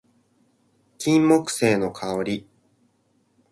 金木犀の香り